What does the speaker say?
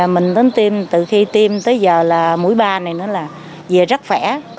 mình đến tiêm từ khi tiêm tới giờ là mũi ba này nó là về rất khỏe